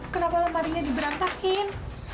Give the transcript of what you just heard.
kenapa lemparinya diberantakin